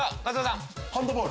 ハンドボール。